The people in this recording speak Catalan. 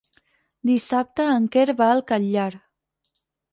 Dissabte en Quer va al Catllar.